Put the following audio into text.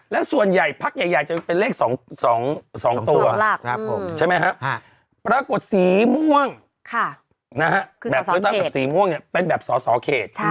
และส่วนใหญ่พักใหญ่จะเป็นเลข๒ตัวใช่ไหมครับปรากฏสีม่วงแบบสอสอเขต